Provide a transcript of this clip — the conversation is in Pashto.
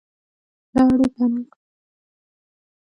لاړې که نه؟